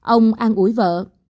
ông an ủi vợ